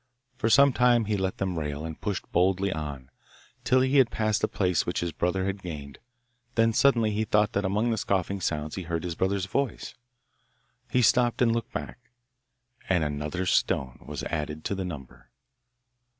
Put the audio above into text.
For some time he let them rail, and pushed boldly on, till he had passed the place which his brother had gained; then suddenly he thought that among the scoffing sounds he heard his brother's voice. He stopped and looked back; and another stone was added to the number.